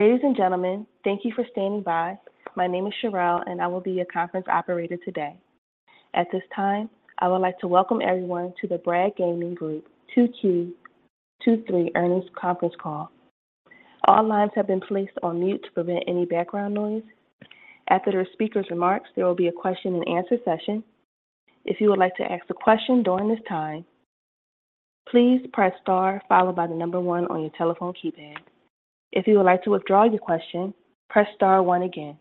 Ladies and gentlemen, thank you for standing by. My name is Cherelle, and I will be your conference operator today. At this time, I would like to welcome everyone to the Bragg Gaming Group Q2 2023 Earnings Conference Call. All lines have been placed on mute to prevent any background noise. After the speakers' remarks, there will be a question and answer session. If you would like to ask a question during this time, please press Star followed by the number one on your telephone keypad. If you would like to withdraw your question, press star one again.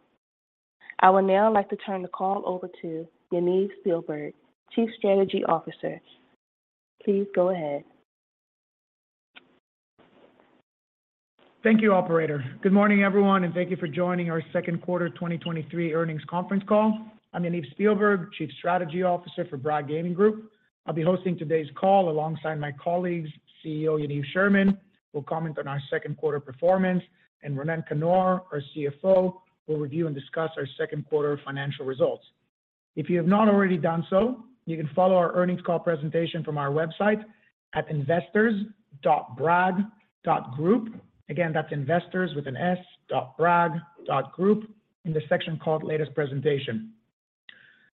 I would now like to turn the call over to Yaniv Spielberg, Chief Strategy Officer. Please go ahead. Thank you, operator. Good morning, everyone, and thank you for joining our second quarter 2023 earnings conference call. I'm Yaniv Spielberg, Chief Strategy Officer for Bragg Gaming Group. I'll be hosting today's call alongside my colleagues, CEO Yaniv Sherman, who will comment on our second quarter performance, and Ronen Kannor, our CFO, will review and discuss our second quarter financial results. If you have not already done so, you can follow our earnings call presentation from our website at investors.bragg.group. Again, that's investors.bragg.group in the section called Latest Presentation.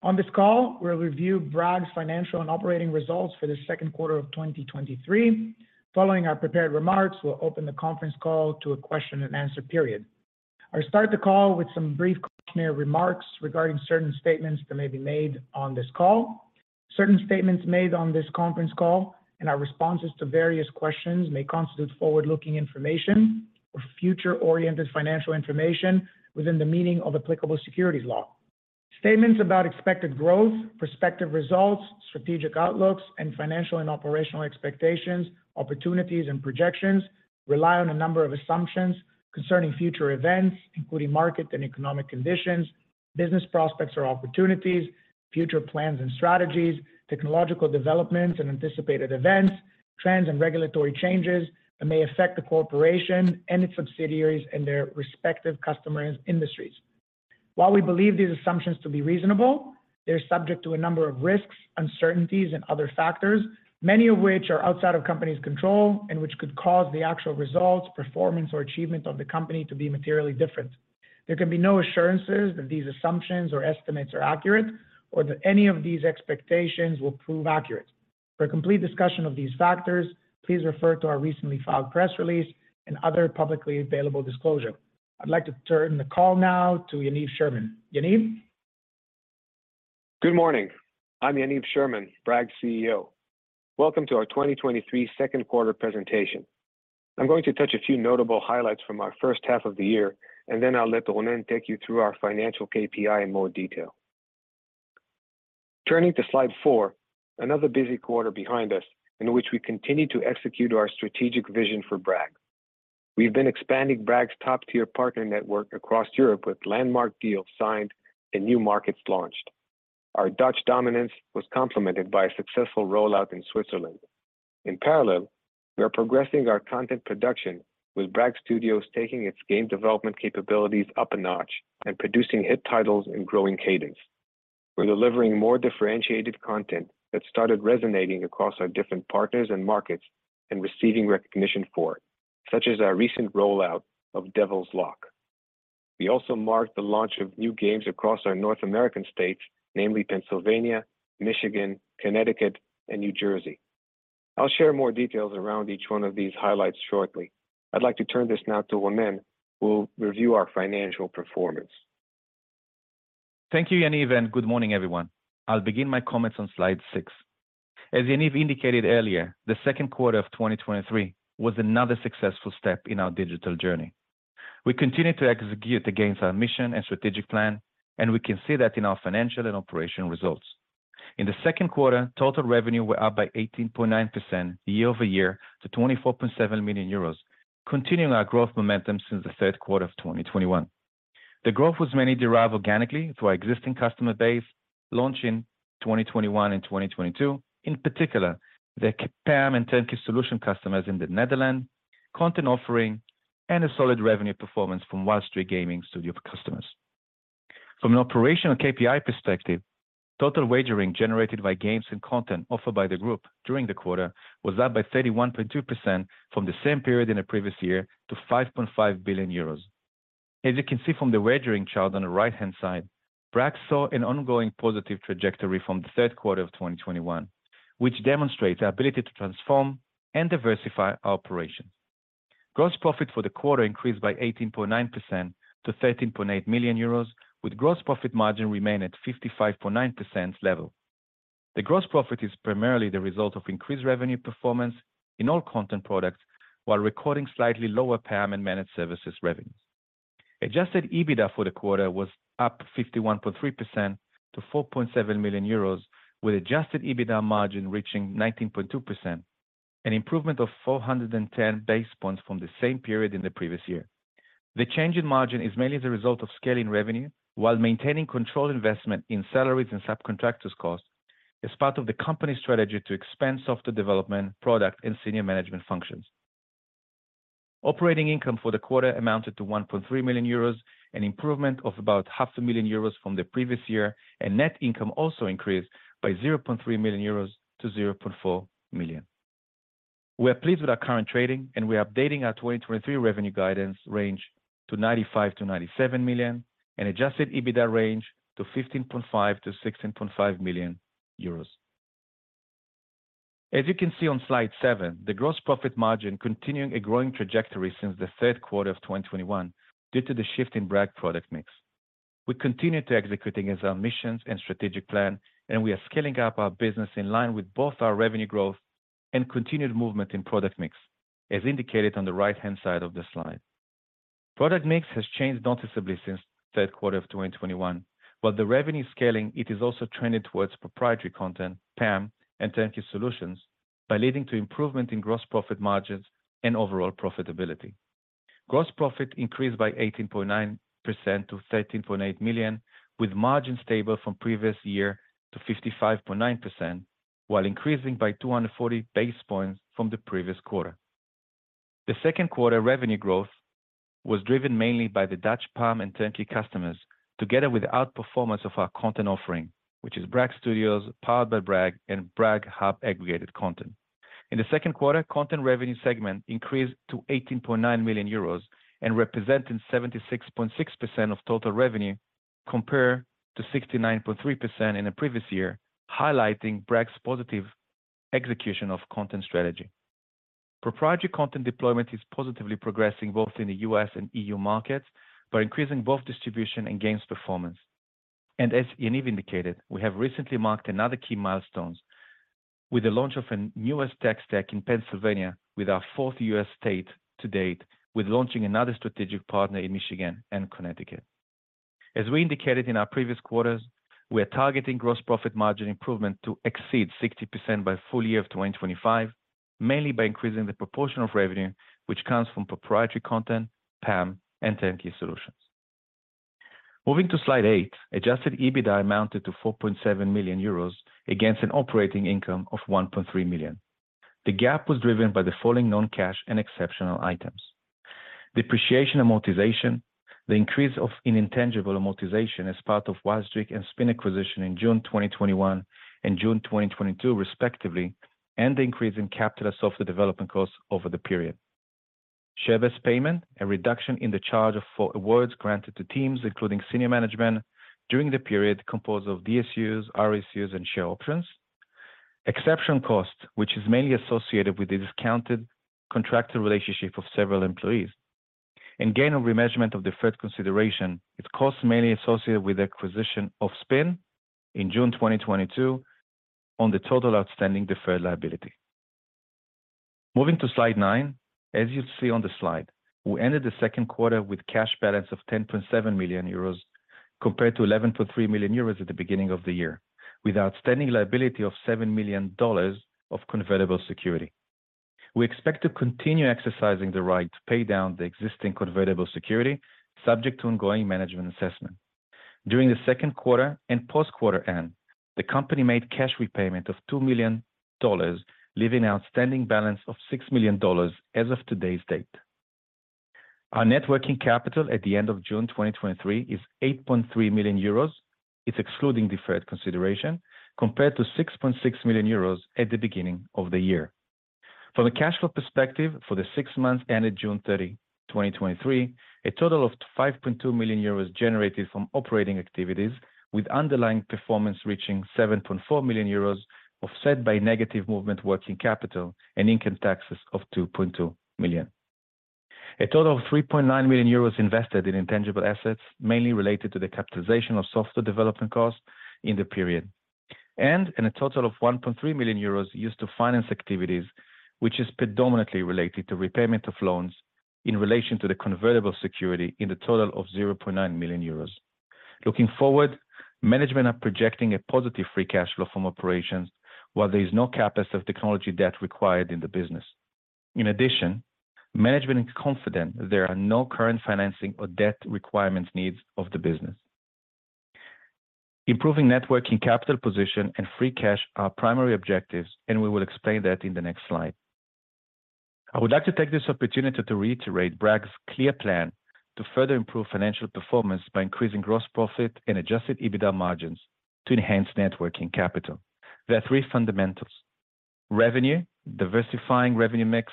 On this call, we'll review Bragg's financial and operating results for the second quarter of 2023. Following our prepared remarks, we'll open the conference call to a question and answer period. I'll start the call with some brief cautionary remarks regarding certain statements that may be made on this call. Certain statements made on this conference call and our responses to various questions may constitute forward-looking information or future-oriented financial information within the meaning of applicable securities law. Statements about expected growth, prospective results, strategic outlooks, and financial and operational expectations, opportunities, and projections rely on a number of assumptions concerning future events, including market and economic conditions, business prospects or opportunities, future plans and strategies, technological developments and anticipated events, trends and regulatory changes that may affect the corporation and its subsidiaries and their respective customers' industries. While we believe these assumptions to be reasonable, they are subject to a number of risks, uncertainties and other factors, many of which are outside of company's control and which could cause the actual results, performance, or achievement of the company to be materially different. There can be no assurances that these assumptions or estimates are accurate or that any of these expectations will prove accurate. For a complete discussion of these factors, please refer to our recently filed press release and other publicly available disclosure. I'd like to turn the call now to Yaniv Sherman. Yaniv? Good morning. I'm Yaniv Sherman, Bragg's CEO. Welcome to our 2023 second quarter presentation. I'm going to touch a few notable highlights from our first half of the year, then I'll let Ronen take you through our financial KPI in more detail. Turning to slide four, another busy quarter behind us in which we continued to execute our strategic vision for Bragg. We've been expanding Bragg's top-tier partner network across Europe, with landmark deals signed and new markets launched. Our Dutch dominance was complemented by a successful rollout in Switzerland. In parallel, we are progressing our content production, with Bragg Studios taking its game development capabilities up a notch and producing hit titles in growing cadence. We're delivering more differentiated content that started resonating across our different partners and markets and receiving recognition for it, such as our recent rollout of Devil's Lock. We also marked the launch of new games across our North American states, namely Pennsylvania, Michigan, Connecticut and New Jersey. I'll share more details around each one of these highlights shortly. I'd like to turn this now to Ronen, who will review our financial performance. Thank you, Yaniv. Good morning, everyone. I'll begin my comments on slide six. As Yaniv indicated earlier, the second quarter of 2023 was another successful step in our digital journey. We continued to execute against our mission and strategic plan, and we can see that in our financial and operational results. In the second quarter, total revenue were up by 18.9% year-over-year to 24.7 million euros, continuing our growth momentum since the third quarter of 2021. The growth was mainly derived organically through our existing customer base, launched in 2021 and 2022. In particular, the PAM and Turnkey solution customers in the Netherlands, content offering and a solid revenue performance from Wild Streak Gaming studio customers. From an operational KPI perspective, total wagering generated by games and content offered by the group during the quarter was up by 31.2% from the same period in the previous year to 5.5 billion euros. As you can see from the wagering chart on the right-hand side, Bragg saw an ongoing positive trajectory from the third quarter of 2021, which demonstrates our ability to transform and diversify our operations. Gross profit for the quarter increased by 18.9% to 13.8 million euros, with gross profit margin remaining at 55.9% level. The gross profit is primarily the result of increased revenue performance in all content products, while recording slightly lower PAM and managed services revenues. Adjusted EBITDA for the quarter was up 51.3% to 4.7 million euros, with Adjusted EBITDA margin reaching 19.2%, an improvement of 410 basis points from the same period in the previous year. The change in margin is mainly as a result of scaling revenue while maintaining controlled investment in salaries and subcontractors costs as part of the company's strategy to expand software development, product and senior management functions. Operating income for the quarter amounted to 1.3 million euros, an improvement of about 500,000 euros from the previous year, and net income also increased by 0.3 million euros to 0.4 million. We are pleased with our current trading, and we are updating our 2023 revenue guidance range to 95 million-97 million and Adjusted EBITDA range to 15.5 million-16.5 million euros. As you can see on slide seven, the gross profit margin continuing a growing trajectory since the third quarter of 2021 due to the shift in Bragg product mix. We continue to executing as our missions and strategic plan, and we are scaling up our business in line with both our revenue growth and continued movement in product mix, as indicated on the right-hand side of the slide. Product mix has changed noticeably since third quarter of 2021. While the revenue scaling, it is also trending towards proprietary content, PAM, and Turnkey Solutions by leading to improvement in gross profit margins and overall profitability. Gross profit increased by 18.9% to 13.8 million, with margin stable from previous year to 55.9%, while increasing by 240 basis points from the previous quarter. The second quarter revenue growth was driven mainly by the Dutch PAM and Turnkey customers, together with outperformance of our content offering, which is Bragg Studios, powered by Bragg and Bragg Hub aggregated content. In the second quarter, content revenue segment increased to 18.9 million euros and representing 76.6% of total revenue, compared to 69.3% in the previous year, highlighting Bragg's positive execution of content strategy. Proprietary content deployment is positively progressing both in the U.S. and E.U. markets, by increasing both distribution and games performance. As Yaniv indicated, we have recently marked another key milestones with the launch of a newest tech stack in Pennsylvania with our fourth U.S. state to date, with launching another strategic partner in Michigan and Connecticut. As we indicated in our previous quarters, we are targeting gross profit margin improvement to exceed 60% by full year of 2025, mainly by increasing the proportion of revenue, which comes from proprietary content, PAM, and Turnkey Solutions. Moving to slide eight, Adjusted EBITDA amounted to 4.7 million euros against an operating income of 1.3 million. The gap was driven by the falling non-cash and exceptional items. Depreciation amortization, the increase of intangible amortization as part of Wild Streak and Spin acquisition in June 2021 and June 2022, respectively, and the increase in capital of the development costs over the period. Share-based payment, a reduction in the charge for awards granted to teams, including senior management, during the period composed of DSU, RSU, and share options. Exception cost, which is mainly associated with the discounted contracted relationship of several employees. Gain on remeasurement of deferred consideration, its cost mainly associated with the acquisition of Spin in June 2022 on the total outstanding deferred liability. Moving to slide nine. As you see on the slide, we ended the second quarter with cash balance of 10.7 million euros, compared to 11.3 million euros at the beginning of the year, with outstanding liability of $7 million of convertible security. We expect to continue exercising the right to pay down the existing convertible security, subject to ongoing management assessment. During the second quarter and post-quarter end, the company made cash repayment of EUR 2 million, leaving an outstanding balance of EUR 6 million as of today's date. Our net working capital at the end of June 2023 is 8.3 million euros. It's excluding deferred consideration, compared to 6.6 million euros at the beginning of the year. From a cash flow perspective, for the six months ended June 30, 2023, a total of 5.2 million euros generated from operating activities, with underlying performance reaching 7.4 million euros, offset by negative movement working capital and income taxes of 2.2 million. A total of 3.9 million euros invested in intangible assets, mainly related to the capitalization of software development costs in the period, and in a total of 1.3 million euros used to finance activities, which is predominantly related to repayment of loans in relation to the convertible security in the total of 0.9 million euros. Looking forward, management are projecting a positive free cash flow from operations, while there is no CapEx of technology debt required in the business. Management is confident there are no current financing or debt requirements needs of the business. Improving net working capital position and free cash are primary objectives. We will explain that in the next slide. I would like to take this opportunity to reiterate Bragg's clear plan to further improve financial performance by increasing gross profit and Adjusted EBITDA margins to enhance net working capital. There are three fundamentals: revenue, diversifying revenue mix,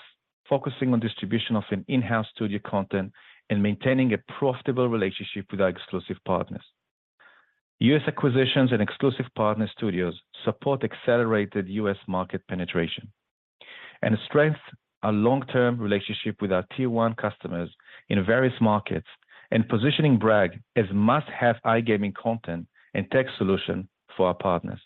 focusing on distribution of an in-house studio content, and maintaining a profitable relationship with our exclusive partners. U.S. acquisitions and exclusive partner studios support accelerated U.S. market penetration, strength a long-term relationship with our tier one customers in various markets, positioning Bragg as must-have iGaming content and tech solution for our partners.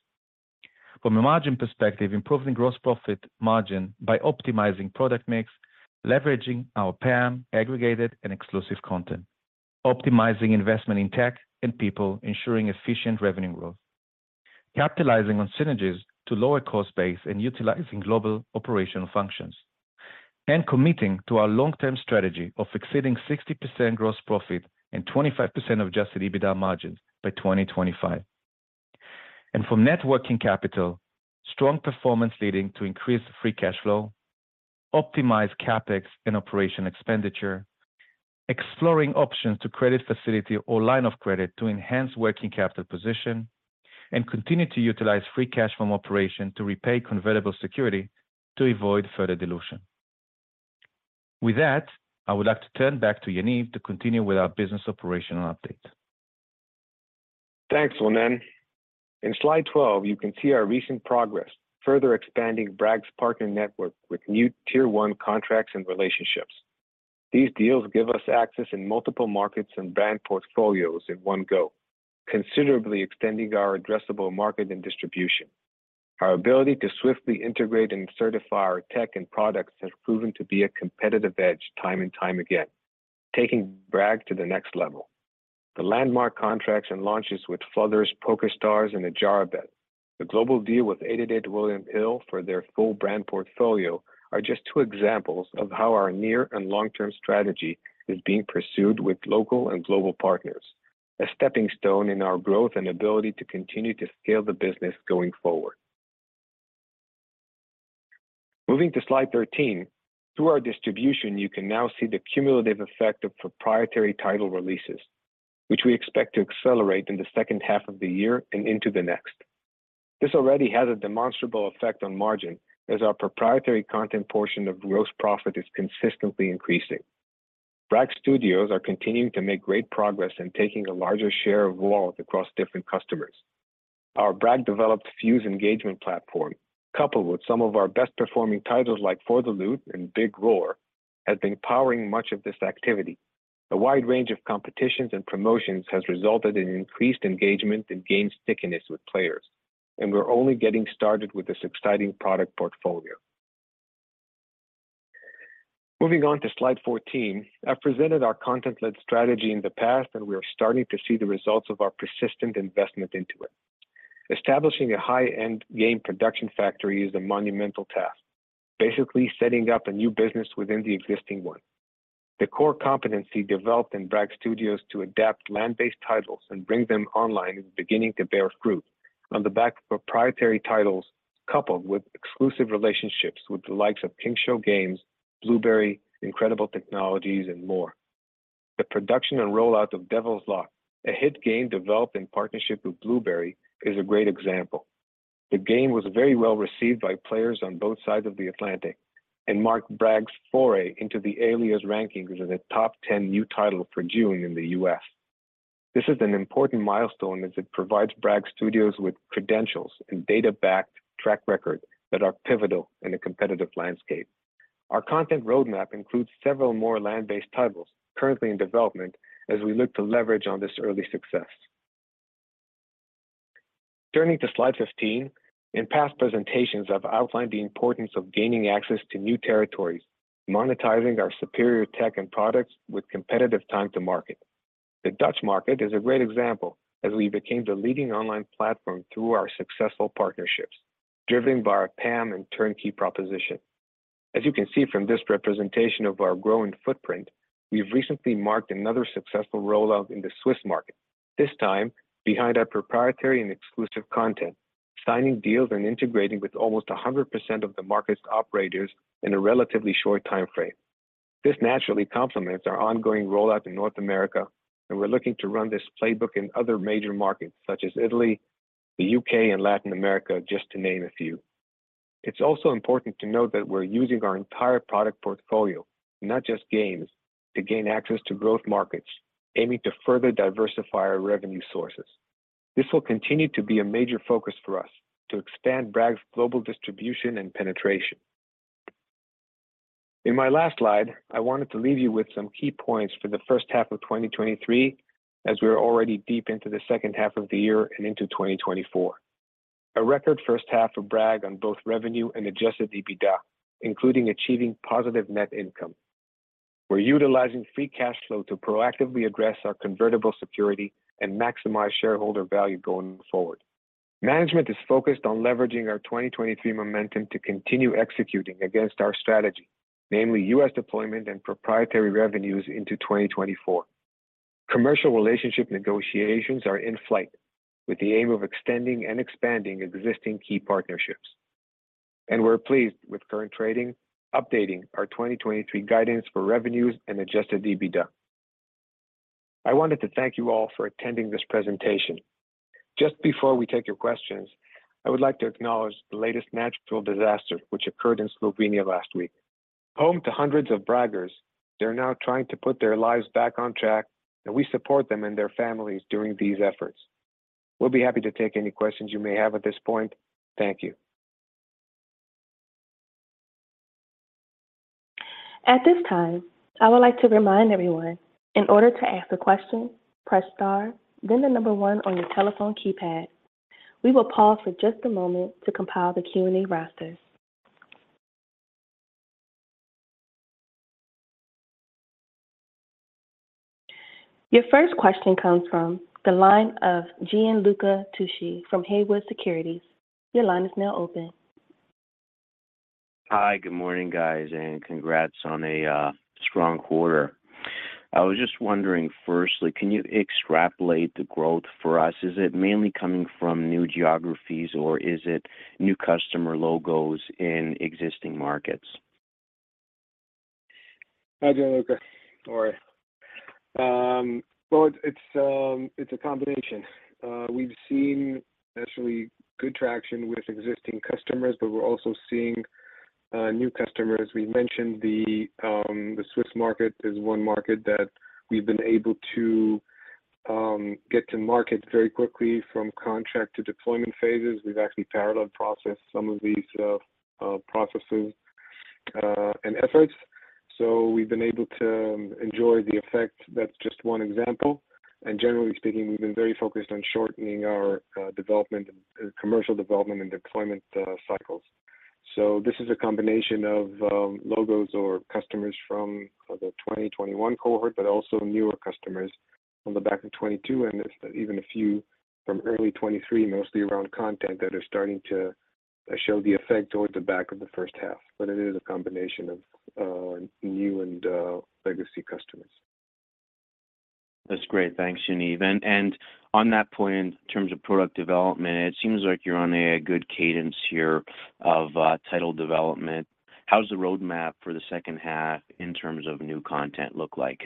From a margin perspective, improving gross profit margin by optimizing product mix, leveraging our PAM, aggregated and exclusive content, optimizing investment in tech and people, ensuring efficient revenue growth, capitalizing on synergies to lower cost base and utilizing global operational functions, and committing to our long-term strategy of exceeding 60% gross profit and 25% of Adjusted EBITDA margins by 2025. From net working capital, strong performance leading to increased free cash flow, optimize CapEx and operation expenditure exploring options to credit facility or line of credit to enhance working capital position, and continue to utilize free cash from operation to repay convertible security to avoid further dilution. With that, I would like to turn back to Yaniv to continue with our business operational update. Thanks, Ronen. In slide 12, you can see our recent progress, further expanding Bragg's partner network with new Tier 1 contracts and relationships. These deals give us access in multiple markets and brand portfolios in one go, considerably extending our addressable market and distribution. Our ability to swiftly integrate and certify our tech and products has proven to be a competitive edge time and time again, taking Bragg to the next level. The landmark contracts and launches with Flutter, PokerStars, and Adjarabet, the global deal with 888 William Hill for their full brand portfolio, are just two examples of how our near and long-term strategy is being pursued with local and global partners, a stepping stone in our growth and ability to continue to scale the business going forward. Moving to slide 13, through our distribution, you can now see the cumulative effect of proprietary title releases, which we expect to accelerate in the 2nd half of the year and into the next. This already has a demonstrable effect on margin, as our proprietary content portion of gross profit is consistently increasing. Bragg Studios are continuing to make great progress in taking a larger share of wallet across different customers. Our Bragg-developed Fuze engagement platform, coupled with some of our best-performing titles like 4 the Loot and Big Roar, has been powering much of this activity. A wide range of competitions and promotions has resulted in increased engagement and game stickiness with players. We're only getting started with this exciting product portfolio. Moving on to slide 14, I've presented our content-led strategy in the past, and we are starting to see the results of our persistent investment into it. Establishing a high-end game production factory is a monumental task, basically setting up a new business within the existing one. The core competency developed in Bragg Studios to adapt land-based titles and bring them online is beginning to bear fruit on the back of proprietary titles, coupled with exclusive relationships with the likes of King Show Games, Bluberi, Incredible Technologies, and more. The production and rollout of Devil's Lock, a hit game developed in partnership with Bluberi, is a great example. The game was very well-received by players on both sides of the Atlantic and marked Bragg's foray into the Eilers rankings as a top 10 new title for June in the U.S. This is an important milestone as it provides Bragg Studios with credentials and data-backed track record that are pivotal in a competitive landscape. Our content roadmap includes several more land-based titles currently in development as we look to leverage on this early success. Turning to slide 15, in past presentations, I've outlined the importance of gaining access to new territories, monetizing our superior tech and products with competitive time to market. The Dutch market is a great example, as we became the leading online platform through our successful partnerships, driven by our PAM and turnkey proposition. As you can see from this representation of our growing footprint, we've recently marked another successful rollout in the Swiss market, this time behind our proprietary and exclusive content, signing deals and integrating with almost 100% of the market's operators in a relatively short timeframe. This naturally complements our ongoing rollout in North America. We're looking to run this playbook in other major markets, such as Italy, the U.K., and Latin America, just to name a few. It's also important to note that we're using our entire product portfolio, not just games, to gain access to growth markets, aiming to further diversify our revenue sources. This will continue to be a major focus for us to expand Bragg's global distribution and penetration. In my last slide, I wanted to leave you with some key points for the first half of 2023, as we are already deep into the second half of the year and into 2024. A record first half of Bragg on both revenue and Adjusted EBITDA, including achieving positive net income. We're utilizing free cash flow to proactively address our convertible security and maximize shareholder value going forward. Management is focused on leveraging our 2023 momentum to continue executing against our strategy, namely U.S. deployment and proprietary revenues into 2024. Commercial relationship negotiations are in flight, with the aim of extending and expanding existing key partnerships. We're pleased with current trading, updating our 2023 guidance for revenues and Adjusted EBITDA. I wanted to thank you all for attending this presentation. Just before we take your questions, I would like to acknowledge the latest natural disaster which occurred in Slovenia last week. Home to hundreds of Braggers, they're now trying to put their lives back on track, and we support them and their families during these efforts. We'll be happy to take any questions you may have at this point. Thank you. At this time, I would like to remind everyone, in order to ask a question, press star, then the 1 on your telephone keypad. We will pause for just a moment to compile the Q&A roster. Your first question comes from the line of Gianluca Tucci from Haywood Securities. Your line is now open. Hi, good morning, guys, and congrats on a strong quarter. I was just wondering, firstly, can you extrapolate the growth for us? Is it mainly coming from new geographies, or is it new customer logos in existing markets? Hi, Gianluca. How are you? Well, it's, it's a combination. We've seen naturally good traction with existing customers, but we're also seeing new customers. We mentioned the Swiss market is one market that we've been able to get to market very quickly from contract to deployment phases. We've actually parallel processed some of these processes and efforts, so we've been able to enjoy the effect. That's just one example, and generally speaking, we've been very focused on shortening our development, commercial development and deployment cycles. This is a combination of logos or customers from the 2021 cohort, but also newer customers from the back of 2022, and even a few from early 2023, mostly around content, that are starting to show the effect towards the back of the first half. It is a combination of new and legacy customers. That's great. Thanks, Yaniv. On that point, in terms of product development, it seems like you're on a good cadence here of title development. How's the roadmap for the second half in terms of new content look like?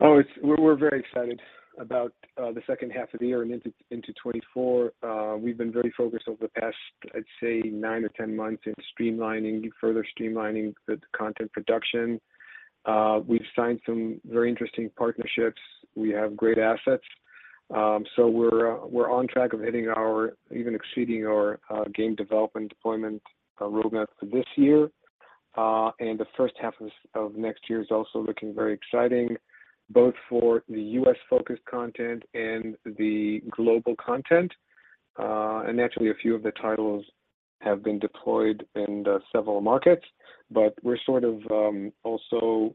We're, we're very excited about the second half of the year and into 2024. We've been very focused over the past, I'd say, 9 or 10 months in streamlining, further streamlining the content production. We've signed some very interesting partnerships. We have great assets. We're, we're on track of hitting our... even exceeding our game development deployment roadmap for this year. The first half of next year is also looking very exciting, both for the U.S.-focused content and the global content. Naturally, a few of the titles have been deployed in several markets, but we're sort of also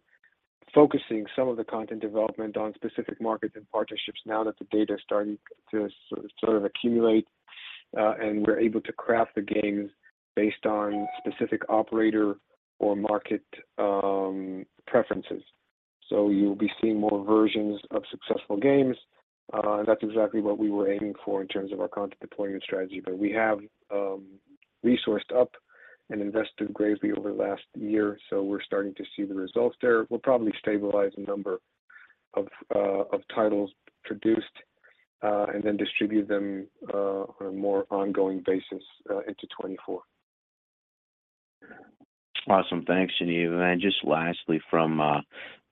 focusing some of the content development on specific markets and partnerships now that the data is starting to sort of accumulate, and we're able to craft the games based on specific operator or market preferences. You'll be seeing more versions of successful games. That's exactly what we were aiming for in terms of our content deployment strategy, but we have resourced up and invested greatly over the last year, so we're starting to see the results there. We'll probably stabilize the number of titles produced and then distribute them on a more ongoing basis into 2024. Awesome. Thanks, Yaniv. Just lastly, from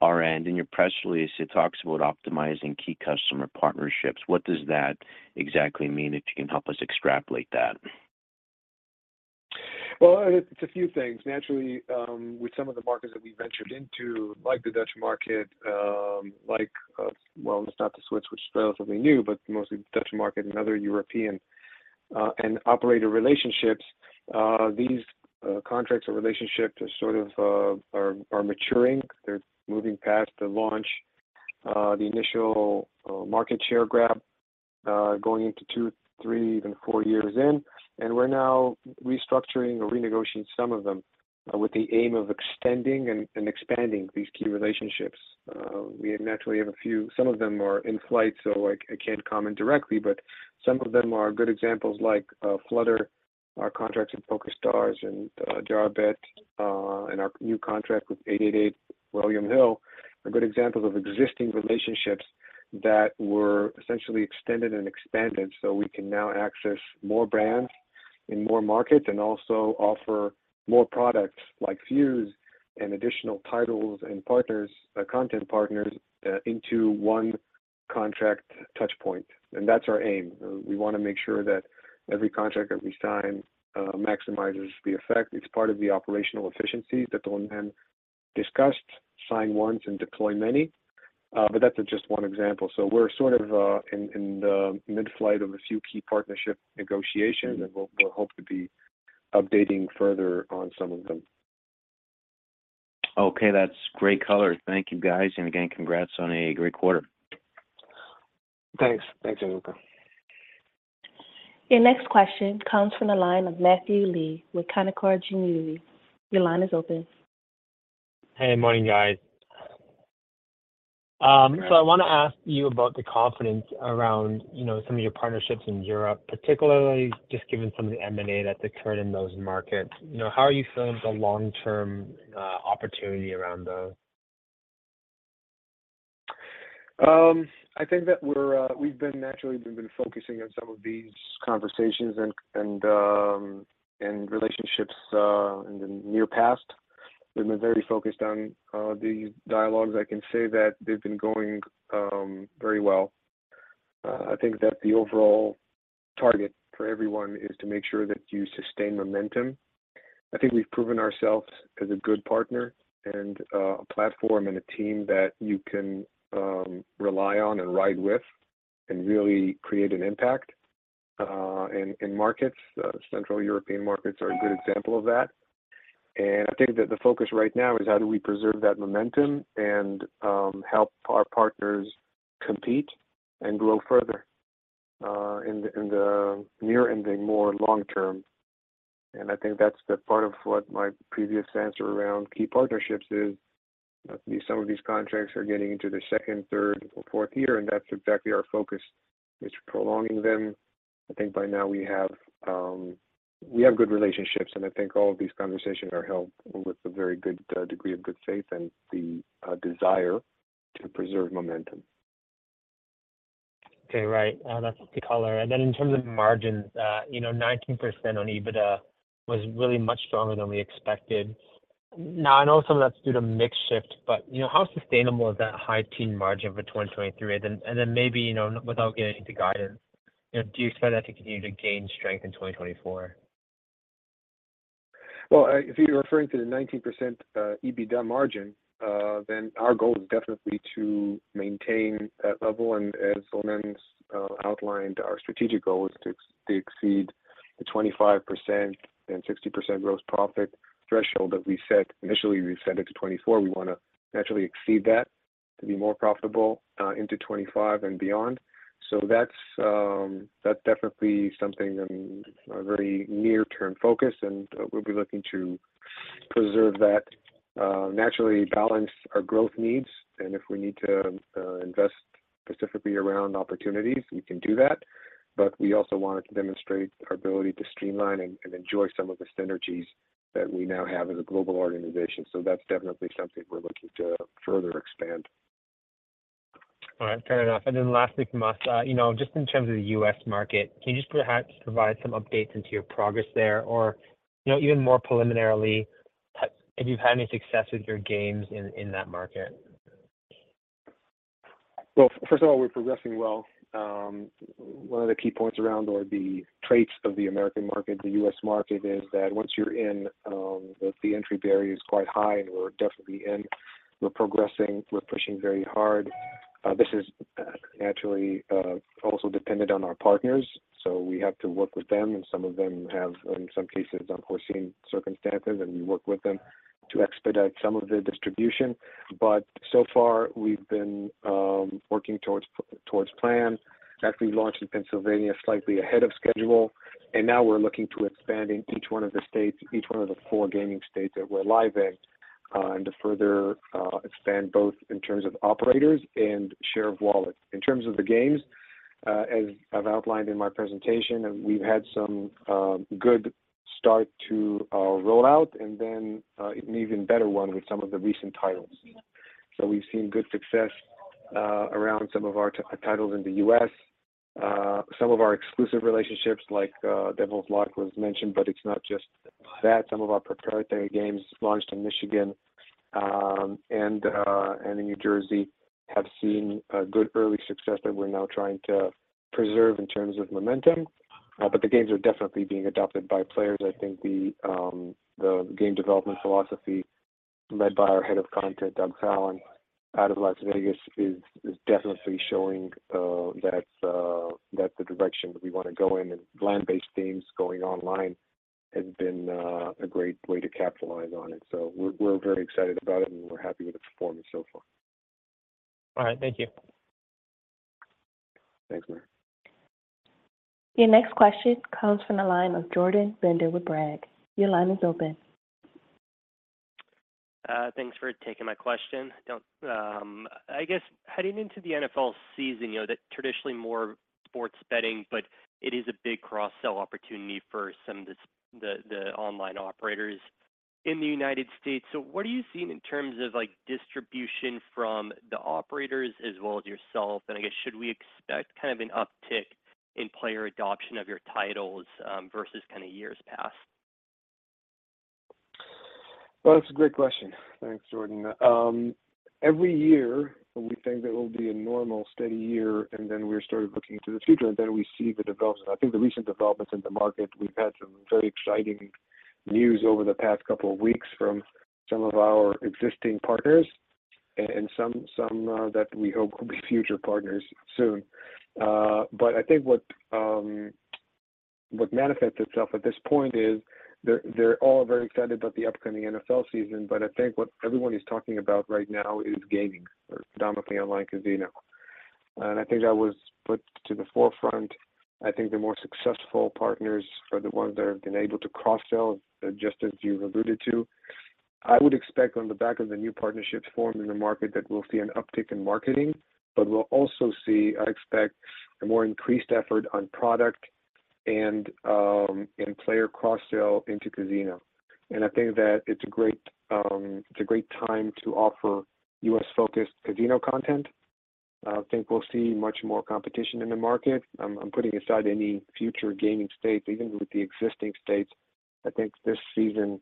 our end, in your press release, it talks about optimizing key customer partnerships. What does that exactly mean, if you can help us extrapolate that? Well, it's a few things. Naturally, with some of the markets that we ventured into, like the Dutch market, like, well, not the Swiss, which is relatively new, but mostly Dutch market and other European, and operator relationships, these contracts or relationships are sort of, are, are maturing. They're moving past the launch, the initial, market share grab, going into two, three, even four years in, and we're now restructuring or renegotiating some of them with the aim of extending and, and expanding these key relationships. We naturally have a few. Some of them are in flight, so I, I can't comment directly, but some of them are good examples like, Flutter, our contracts with PokerStars and, Adjarabet, and our new contract with 888 William Hill are good examples of existing relationships that were essentially extended and expanded, so we can now access more brands in more markets and also offer more products like Fuze and additional titles and partners, content partners, into one contract touch point. That's our aim. We want to make sure that every contract that we sign, maximizes the effect. It's part of the operational efficiencies that Yaniv Sherman discussed, sign once and deploy many. That's just one example. We're sort of, in, in the mid-flight of a few key partnership negotiations, and we'll, we'll hope to be updating further on some of them. Okay, that's great color. Thank you, guys. Again, congrats on a great quarter. Thanks. Thanks, Gianluca. Your next question comes from the line of Matthew Lee with Canaccord Genuity. Your line is open. Hey, morning, guys. I want to ask you about the confidence around, you know, some of your partnerships in Europe, particularly just given some of the M&A that occurred in those markets. You know, how are you feeling the long-term opportunity around those? I think that we're, we've been... naturally, we've been focusing on some of these conversations and relationships in the near past. We've been very focused on the dialogues. I can say that they've been going very well. I think that the overall target for everyone is to make sure that you sustain momentum. I think we've proven ourselves as a good partner and a platform and a team that you can rely on and ride with and really create an impact in markets. Central European markets are a good example of that. I think that the focus right now is how do we preserve that momentum and help our partners compete and grow further in the near and the more long term. I think that's the part of what my previous answer around key partnerships is... Some of these contracts are getting into the second, third, or fourth year, and that's exactly our focus, is prolonging them. I think by now we have good relationships, and all of these conversations are held with a very good degree of good faith and the desire to preserve momentum. Okay, right. That's the color. In terms of margins, you know, 19% on EBITDA was really much stronger than we expected. I know some of that's due to mix shift, but, you know, how sustainable is that high teen margin for 2023? Then maybe, you know, without getting into guidance, you know, do you expect that to continue to gain strength in 2024? Well, if you're referring to the 19% EBITDA margin, our goal is definitely to maintain that level. As Yaniv Sherman outlined, our strategic goal is to exceed the 25% and 60% gross profit threshold that we set. Initially, we set it to 2024. We wanna naturally exceed that to be more profitable into 2025 and beyond. That's definitely something and a very near-term focus, and we'll be looking to preserve that, naturally balance our growth needs. If we need to invest specifically around opportunities, we can do that. We also want to demonstrate our ability to streamline and enjoy some of the synergies that we now have as a global organization. That's definitely something we're looking to further expand. All right, fair enough. Then lastly from us, you know, just in terms of the U.S. market, can you just perhaps provide some updates into your progress there? Or, you know, even more preliminarily, if you've had any success with your games in, in that market. Well, first of all, we're progressing well. One of the key points around or the traits of the American market, the U.S. market, is that once you're in, the, the entry barrier is quite high, and we're definitely in. We're progressing, we're pushing very hard. This is naturally also dependent on our partners, so we have to work with them, and some of them have, in some cases, unforeseen circumstances, and we work with them to expedite some of the distribution. So far, we've been working towards, towards plan. Actually, launched in Pennsylvania, slightly ahead of schedule, and now we're looking to expanding each one of the states, each one of the four gaming states that we're live in, and to further expand both in terms of operators and share of wallet. In terms of the games, as I've outlined in my presentation, we've had some good start to our rollout and then an even better one with some of the recent titles. We've seen good success around some of our titles in the U.S. Some of our exclusive relationships, like Devil's Lock, was mentioned, but it's not just that. Some of our proprietary games launched in Michigan, and in New Jersey, have seen a good early success that we're now trying to preserve in terms of momentum. The games are definitely being adopted by players. I think the game development philosophy, led by our Head of Content, Doug Fallon, out of Las Vegas, is definitely showing that that's the direction we want to go in. Land-based themes going online has been a great way to capitalize on it. We're very excited about it, and we're happy with the performance so far. All right, thank you. Thanks, Mark. Your next question comes from the line of Jordan Bender with Citizens JMP. Your line is open. Thanks for taking my question. I guess heading into the NFL season, you know, that traditionally more sports betting, but it is a big cross-sell opportunity for some of the the, the online operators in the United States. What are you seeing in terms of, like, distribution from the operators as well as yourself? I guess, should we expect kind of an uptick in player adoption of your titles, versus kind of years past? Well, that's a great question. Thanks, Jordan. Every year we think there will be a normal, steady year, and then we started looking to the future, and then we see the developments. I think the recent developments in the market, we've had some very exciting news over the past couple of weeks from some of our existing partners and, and some, some that we hope will be future partners soon. I think what, what manifests itself at this point is they're, they're all very excited about the upcoming NFL season, but I think what everyone is talking about right now is gaming or predominantly online casino. I think that was put to the forefront. I think the more successful partners are the ones that have been able to cross-sell, just as you've alluded to. I would expect on the back of the new partnerships formed in the market, that we'll see an uptick in marketing, but we'll also see, I expect, a more increased effort on product and in player cross-sell into casino. I think that it's a great, it's a great time to offer U.S.-focused casino content. I think we'll see much more competition in the market. I'm, I'm putting aside any future gaming states. Even with the existing states, I think this season.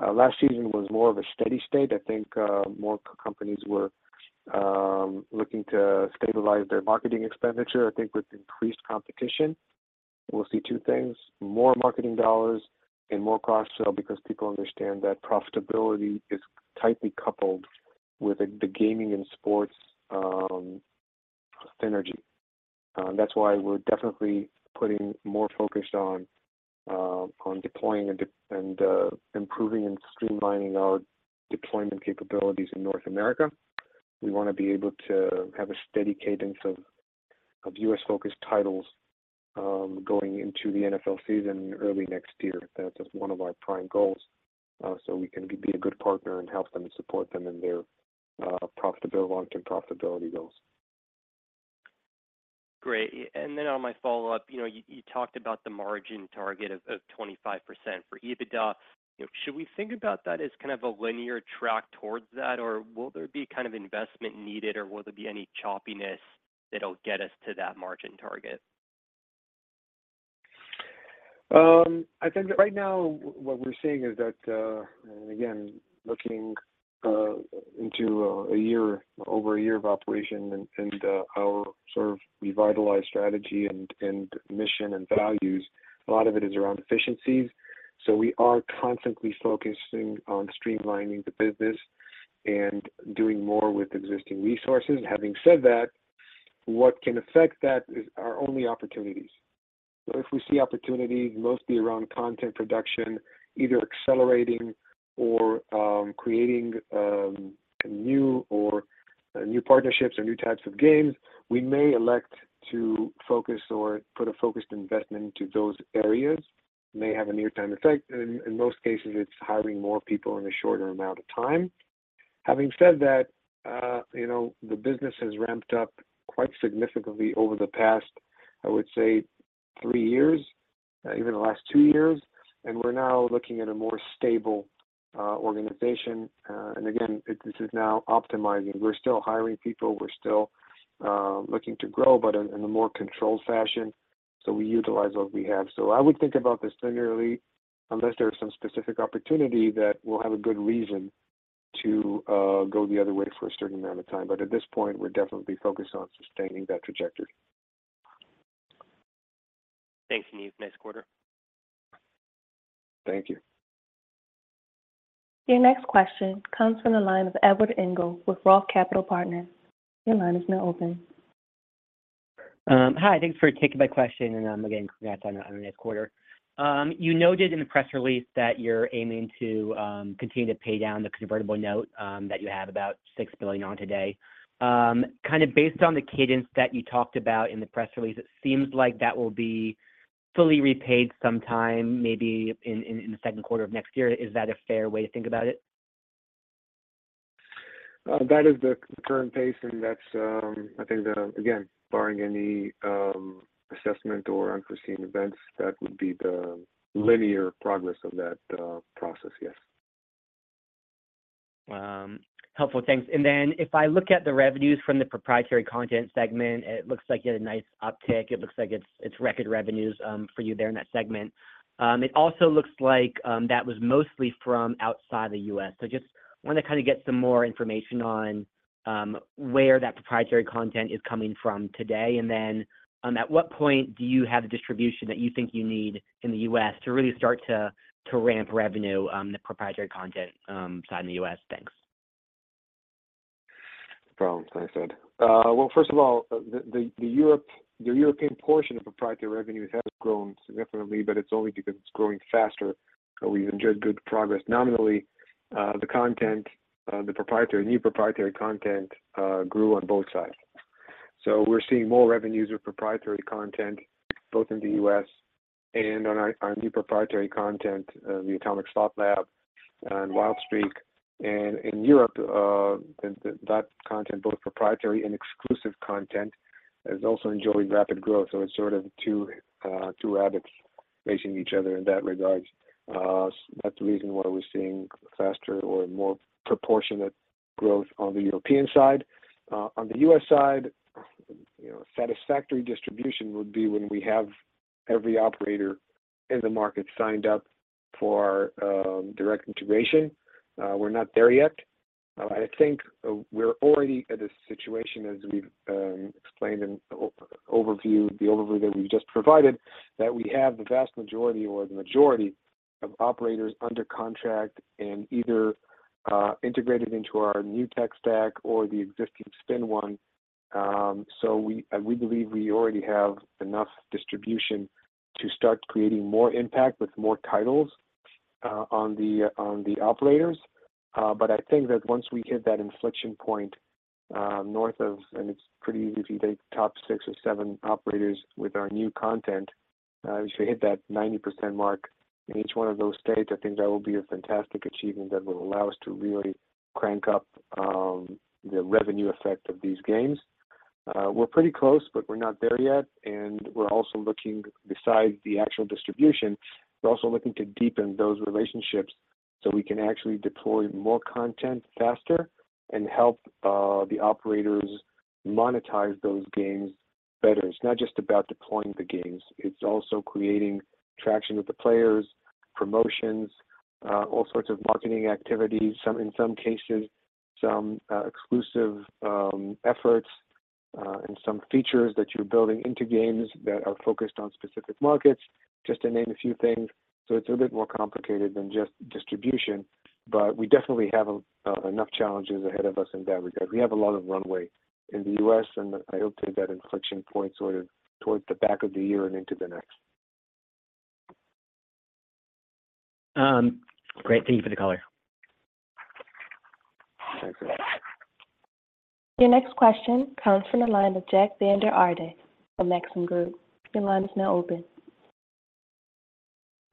Last season was more of a steady state. I think, more companies were looking to stabilize their marketing expenditure. I think with increased competition, we'll see two things: more marketing dollars and more cross-sell, because people understand that profitability is tightly coupled with the, the gaming and sports synergy. That's why we're definitely putting more focus on, on deploying and improving and streamlining our deployment capabilities in North America. We wanna be able to have a steady cadence of U.S.-focused titles, going into the NFL season early next year. That's one of our prime goals, so we can be, be a good partner and help them and support them in their profitability, long-term profitability goals. Great. Then on my follow-up, you know, you talked about the margin target of 25% for EBITDA. You know, should we think about that as kind of a linear track towards that, or will there be kind of investment needed, or will there be any choppiness that'll get us to that margin target? I think right now what we're seeing is that, and again, looking into over a year of operation and, our sort of revitalized strategy and mission and values, a lot of it is around efficiencies. We are constantly focusing on streamlining the business and doing more with existing resources. Having said that, what can affect that is are only opportunities. If we see opportunity, mostly around content production, either accelerating or creating new or new partnerships or new types of games, we may elect to focus or put a focused investment into those areas. May have a near-term effect, and in most cases, it's hiring more people in a shorter amount of time. Having said that, you know, the business has ramped up quite significantly over the past, I would say, three years, even the last two years, and we're now looking at a more stable, organization. Again, this is now optimizing. We're still hiring people, we're still looking to grow, but in, in a more controlled fashion, so we utilize what we have. I would think about this linearly, unless there is some specific opportunity that will have a good reason to go the other way for a certain amount of time. At this point, we're definitely focused on sustaining that trajectory. Thanks, Yaniv. Nice quarter. Thank you. Your next question comes from the line of Edward Engel with Roth Capital Partners. Your line is now open. Hi, thanks for taking my question, and again, congrats on the next quarter. You noted in the press release that you're aiming to continue to pay down the convertible note that you have about $6 billion on today. Kind of based on the cadence that you talked about in the press release, it seems like that will be fully repaid sometime, maybe in the second quarter of next year. Is that a fair way to think about it? That is the current pace, and that's I think that, again, barring any assessment or unforeseen events, that would be the linear progress of that process, yes. Helpful. Thanks. If I look at the revenues from the proprietary content segment, it looks like you had a nice uptick. It looks like it's, it's record revenues for you there in that segment. It also looks like that was mostly from outside the U.S. Just wanted to kind of get some more information on where that proprietary content is coming from today. At what point do you have the distribution that you think you need in the U.S. to really start to, to ramp revenue, the proprietary content side in the U.S.? Thanks. No problem. Thanks, Ed. Well, first of all, the European portion of proprietary revenues has grown significantly. It's only because it's growing faster, we've enjoyed good progress. Nominally, the content, the proprietary, new proprietary content grew on both sides. We're seeing more revenues with proprietary content, both in the U.S. and on our, our new proprietary content, the Atomic Slot Lab and Wild Streak. In Europe, that content, both proprietary and exclusive content, has also enjoyed rapid growth. It's sort of two rabbits facing each other in that regard. That's the reason why we're seeing faster or more proportionate growth on the European side. On the U.S. side, you know, satisfactory distribution would be when we have every operator in the market signed up for direct integration. We're not there yet. I think we're already at a situation, as we've explained in the overview, the overview that we just provided, that we have the vast majority or the majority of operators under contract and either integrated into our new tech stack or the existing spin one. We believe we already have enough distribution to start creating more impact with more titles on the, on the operators. I think that once we hit that inflection point, north of, and it's pretty easy to take top six or seven operators with our new content, if we hit that 90% mark in each one of those states, I think that will be a fantastic achievement that will allow us to really crank up the revenue effect of these games. We're pretty close, but we're not there yet, and we're also looking... besides the actual distribution, we're also looking to deepen those relationships so we can actually deploy more content faster and help the operators monetize those games better. It's not just about deploying the games, it's also creating traction with the players, promotions, all sorts of marketing activities, in some cases, some exclusive efforts, and some features that you're building into games that are focused on specific markets, just to name a few things. It's a bit more complicated than just distribution, but we definitely have enough challenges ahead of us in that regard. We have a lot of runway in the U.S., and I hope to hit that inflection point sort of towards the back of the year and into the next. Great. Thank you for the color. Your next question comes from the line of Jack Vander Aarde of Maxim Group. Your line is now open.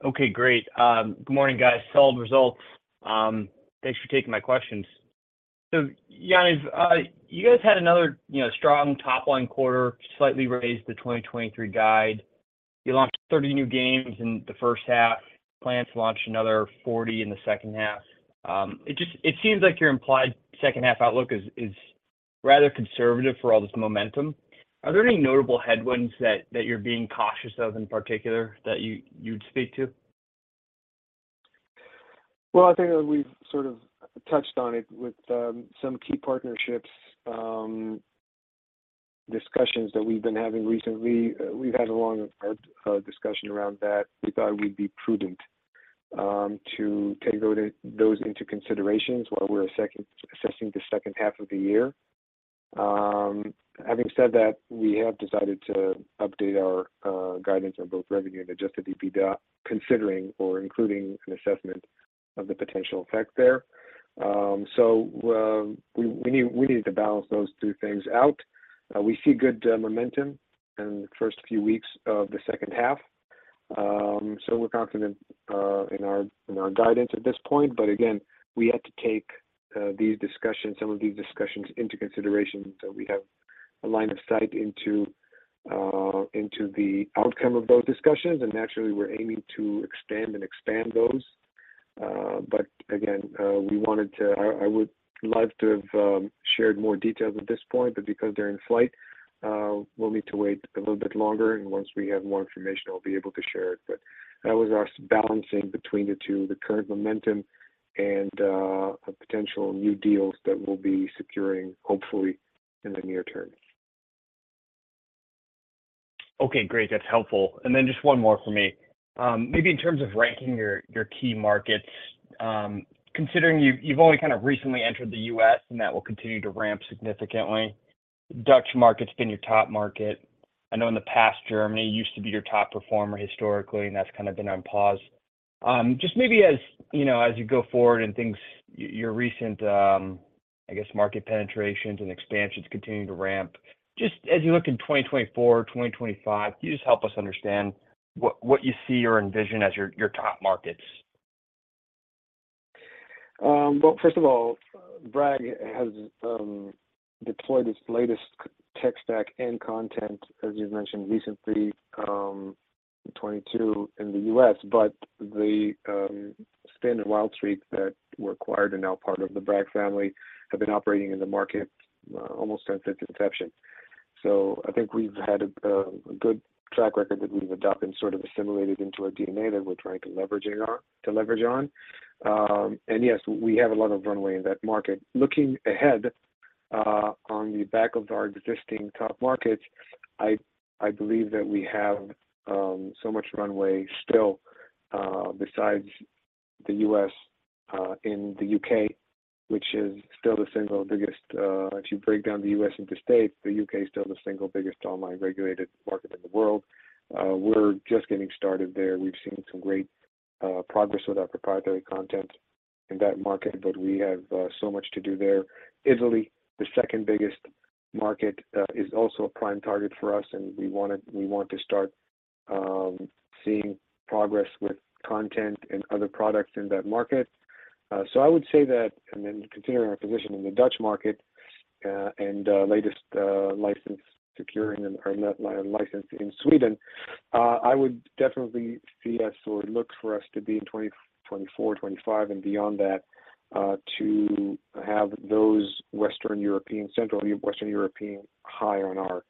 Okay, great. Good morning, guys. Solid results. Thanks for taking my questions. Yaniv, you guys had another, you know, strong top line quarter, slightly raised the 2023 guide. You launched 30 new games in the first half, plan to launch another 40 in the second half. It just, it seems like your implied second half outlook is, is rather conservative for all this momentum. Are there any notable headwinds that, that you're being cautious of in particular, that you, you'd speak to? Well, I think that we've sort of touched on it with some key partnerships, discussions that we've been having recently. We've had a long discussion around that. We thought we'd be prudent to take those, those into considerations while we're assessing, assessing the second half of the year. Having said that, we have decided to update our guidance on both revenue and Adjusted EBITDA, considering or including an assessment of the potential effect there. We, we need, we need to balance those two things out. We see good momentum in the first few weeks of the second half. We're confident in our, in our guidance at this point, but again, we had to take these discussions, some of these discussions into consideration. We have a line of sight into, into the outcome of those discussions, and naturally, we're aiming to extend and expand those. But again, I, I would love to have shared more details at this point, but because they're in flight, we'll need to wait a little bit longer, and once we have more information, I'll be able to share it. That was us balancing between the two, the current momentum and, potential new deals that we'll be securing, hopefully, in the near term. Okay, great. That's helpful. Then just one more for me. Maybe in terms of ranking your, your key markets, considering you've, you've only kind of recently entered the U.S., and that will continue to ramp significantly. Dutch market's been your top market. I know in the past, Germany used to be your top performer historically, and that's kind of been on pause. Just maybe as, you know, as you go forward and things, your recent, I guess, market penetrations and expansions continue to ramp. Just as you look in 2024, 2025, can you just help us understand what, what you see or envision as your, your top markets? Well, first of all, Bragg has deployed its latest tech stack and content, as you mentioned, recently, 2022 in the U.S. The Spin and Wild Streak that were acquired are now part of the Bragg family, have been operating in the market almost since its inception. I think we've had a good track record that we've adopted, sort of assimilated into our DNA that we're trying to leverage on. Yes, we have a lot of runway in that market. Looking ahead, on the back of our existing top markets, I, I believe that we have so much runway still, besides the U.S., in the U.K., which is still the single biggest... If you break down the U.S. into states, the U.K. is still the single biggest online regulated market in the world. We're just getting started there. We've seen some great progress with our proprietary content in that market, but we have so much to do there. Italy, the second biggest market, is also a prime target for us, and we want to start seeing progress with content and other products in that market. I would say that, and then considering our position in the Dutch market, and latest license securing or not license in Sweden, I would definitely see us or look for us to be in 2024, 2025 and beyond that, to have those Western European, Central Western European, high on our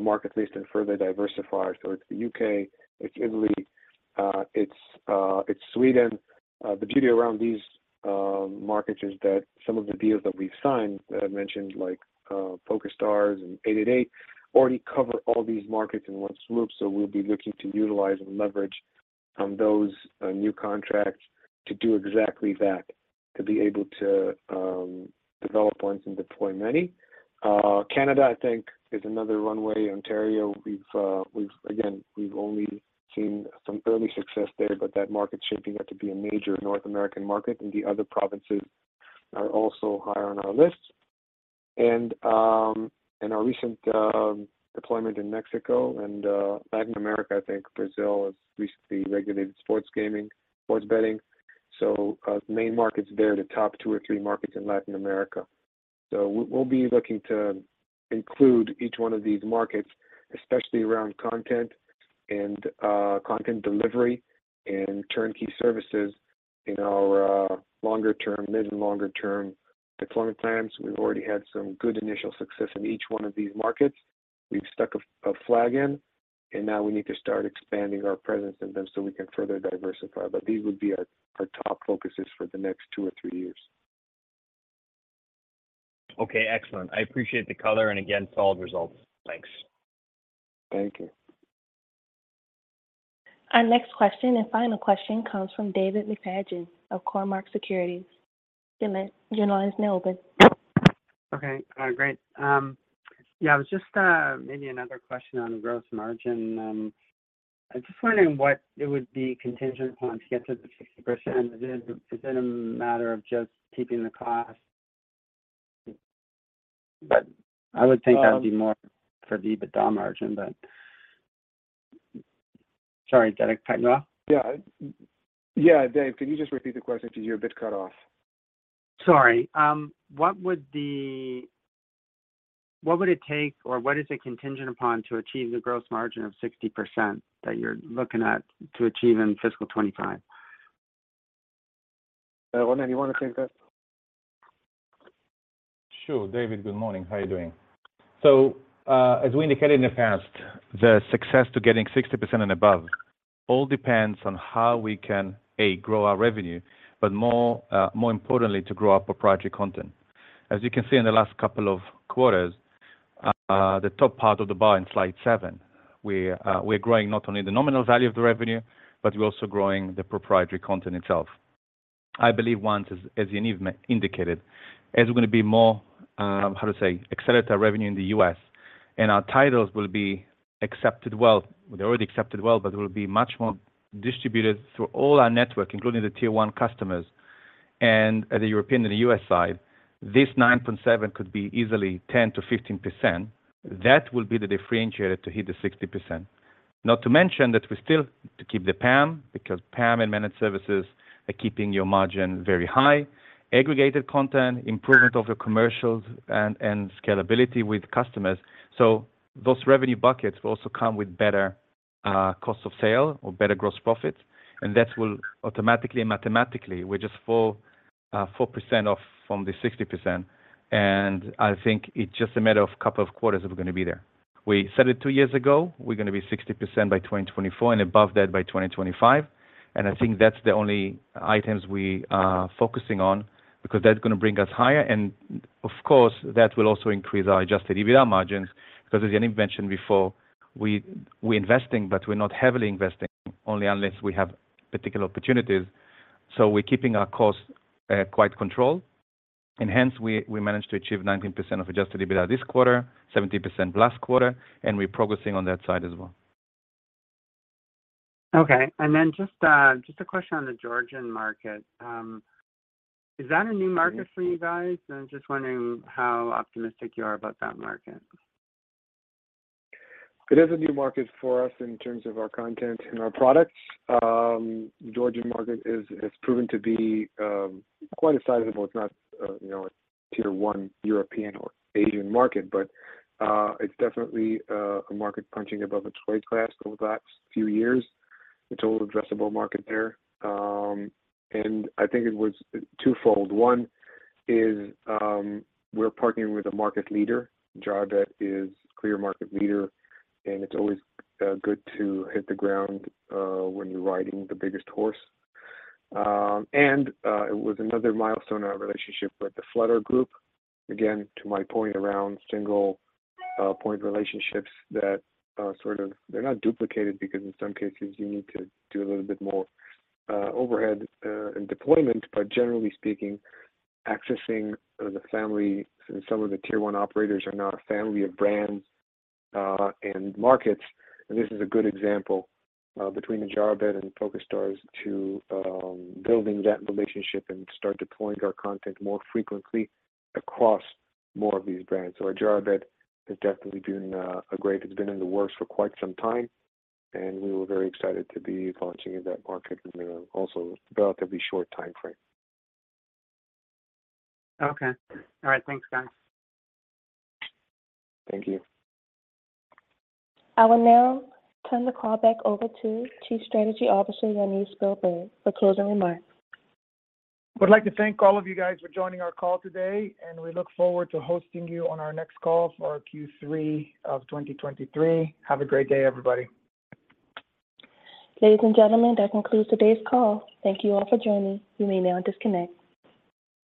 market list and further diversify. It's the U.K., it's Italy, it's Sweden. The beauty around these markets is that some of the deals that we've signed, that I mentioned, like PokerStars and 888, already cover all these markets in one swoop. We'll be looking to utilize and leverage on those new contracts to do exactly that, to be able to develop once and deploy many. Canada, I think, is another runway. Ontario, we've, we've again, we've only seen some early success there, but that market's shaping up to be a major North American market, and the other provinces are also high on our list. Our recent deployment in Mexico and Latin America, I think Brazil, has recently regulated sports gaming, sports betting. Our main market's there, the top two or three markets in Latin America. We, we'll be looking to include each one of these markets, especially around content and content delivery and turnkey services in our longer term, mid and longer term deployment plans. We've already had some good initial success in each one of these markets. We've stuck a, a flag in, and now we need to start expanding our presence in them so we can further diversify. These would be our, our top focuses for the next two or three years. Okay, excellent. I appreciate the color, and again, solid results. Thanks. Thank you. Our next question and final question comes from David McFadgen of Cormark Securities. Your line is now open. Okay, great. Yeah, I was just, maybe another question on gross margin. I'm just wondering what it would be contingent upon to get to the 60%. Is it, is it a matter of just keeping the cost? I would think that would be more for the EBITDA margin, but sorry, did I cut you off? Yeah. Yeah, Dave, can you just repeat the question? Because you're a bit cut off. Sorry. What would the, what would it take, or what is it contingent upon to achieve the gross margin of 60% that you're looking at to achieve in fiscal 2025? Ronen, do you want to take that? Sure. David, good morning. How are you doing? As we indicated in the past, the success to getting 60% and above all depends on how we can, A, grow our revenue, but more, more importantly, to grow our proprietary content. As you can see in the last couple of quarters, the top part of the bar in slide seven, we are, we're growing not only the nominal value of the revenue, but we're also growing the proprietary content itself. I believe once, as, as Yaniv indicated, as we're going to be more, how to say, accelerate our revenue in the U.S., and our titles will be accepted well. They're already accepted well, will be much more distributed through all our network, including the tier one customers and at the European and the U.S. side, this 9.7% could be easily 10%-15%. That will be the differentiator to hit the 60%. Not to mention that we still to keep the PAM, because PAM and managed services are keeping your margin very high, aggregated content, improvement of your commercials and scalability with customers. Those revenue buckets will also come with better cost of sale or better gross profit, and that will automatically and mathematically, we're just 4% off from the 60%, and I think it's just a matter of couple of quarters that we're going to be there. We said it two years ago, we're going to be 60% by 2024 and above that by 2025. I think that's the only items we are focusing on because that's going to bring us higher, and of course, that will also increase our Adjusted EBITDA margins. As Yaniv mentioned before, we're investing, but we're not heavily investing, only unless we have particular opportunities. We're keeping our costs quite controlled, and hence, we managed to achieve 19% of Adjusted EBITDA this quarter, 17% last quarter, and we're progressing on that side as well. Okay. Then just a question on the Georgian market. Is that a new market for you guys? I'm just wondering how optimistic you are about that market. It is a new market for us in terms of our content and our products. Georgian market is has proven to be quite a sizable. It's not, you know, a tier one European or Asian market, but it's definitely a market punching above its weight class over the last few years, the total addressable market there. I think it was twofold. One is, we're partnering with a market leader. Adjarabet is clear market leader, and it's always good to hit the ground when you're riding the biggest horse. It was another milestone in our relationship with the Flutter Entertainment. Again, to my point around single point relationships that sort of they're not duplicated because in some cases you need to do a little bit more overhead and deployment. Generally speaking, accessing the family and some of the tier one operators are now a family of brands, and markets, and this is a good example, between Adjarabet and PokerStars to building that relationship and start deploying our content more frequently across more of these brands. Adjarabet is definitely doing a great. It's been in the works for quite some time, and we were very excited to be launching in that market and then also relatively short timeframe. Okay. All right. Thanks, guys. Thank you. I will now turn the call back over to Chief Strategy Officer, Yaniv Spielberg, for closing remarks. We'd like to thank all of you guys for joining our call today. We look forward to hosting you on our next call for our Q3 of 2023. Have a great day, everybody. Ladies and gentlemen, that concludes today's call. Thank you all for joining. You may now disconnect.